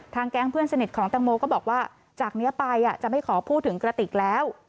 แก๊งเพื่อนสนิทของแตงโมก็บอกว่าจากนี้ไปจะไม่ขอพูดถึงกระติกแล้ว